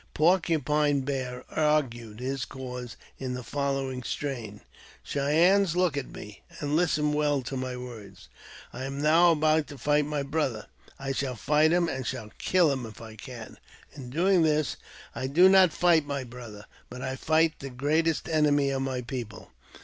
Porcupine Bear argued his cause in the following strain :—" Cheyennes, look at me, and listen well to my words. I am now about to fight my brother; I shall fight him, and shall kill him if I can. In doing this, I do not fight my brother, but I fight the greatest enemy of my people.